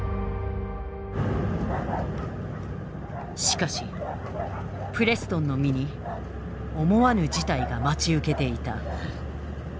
しかしプレストンの身に思わぬ事態が待ち受けていた。